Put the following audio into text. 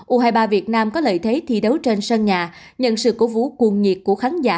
u hai mươi ba việt nam có lợi thế thi đấu trên sân nhà nhận sự cổ vũ cuồng nhiệt của khán giả